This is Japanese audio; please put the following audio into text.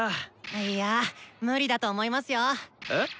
いや無理だと思いますよ。え？